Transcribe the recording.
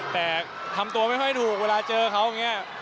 แต่ทำตัวไม่ค่อยถูกเวลาเจอเขาอย่างนี้